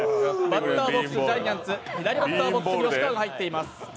バッターボックス、ジャイアンツ吉川が入っています。